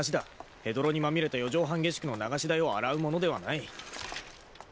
ヘドロにまみれた四畳半下宿の流し台を洗うものではない。